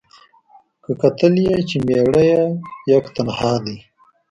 که کتل یې چي مېړه یې یک تنها دی